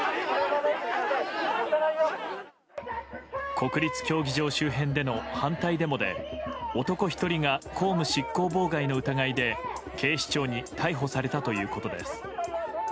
国立競技場周辺での反対デモで男１人が公務執行妨害の疑いで警視庁に逮捕されたということです。